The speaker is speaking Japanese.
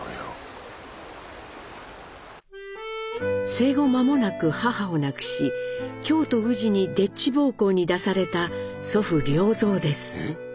生後まもなく母を亡くし京都・宇治にでっち奉公に出された祖父・良三です。